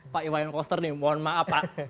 pak iwayan koster nih mohon maaf pak